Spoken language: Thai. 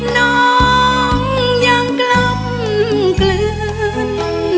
น้องยังกล้ำเกลือน